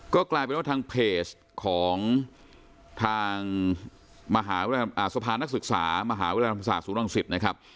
ก็กลายเป็นว่าทางเพจของทางสภานักศึกษามหาวิทยาลัยธรรมศาสตศูนรังสิตนะครับ